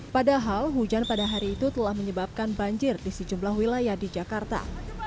padahal hujan pada hari itu telah menyebabkan banjir di sejumlah wilayah di jakarta